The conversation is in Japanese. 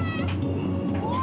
うわ！